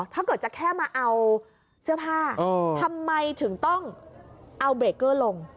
ถ้าเกิดจะแค่มาเอาเสื้อผ้าทำไมถึงต้องเอาเบรกเกอร์ลง